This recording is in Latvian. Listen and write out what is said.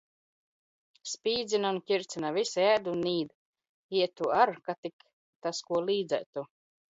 Spīdzina un ķircina, visi ēd un nīd. Ietu ar, kad tik tas ko līdzētu.